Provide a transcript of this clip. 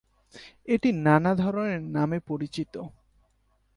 এটি নানা ধরনের নামে পরিচিত।